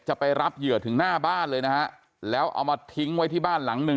จะไปรับเหยื่อถึงหน้าบ้านเลยนะฮะแล้วเอามาทิ้งไว้ที่บ้านหลังหนึ่ง